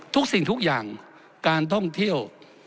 สิ่งทุกอย่างการท่องเที่ยว